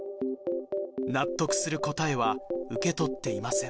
納得する答えは受け取っていません。